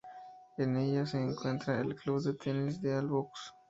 En ella se encuentra el Club de Tenis de Albox.